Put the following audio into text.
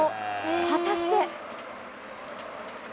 果たして。